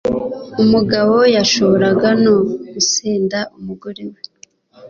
umugabo yashoboraga no gusenda umugore we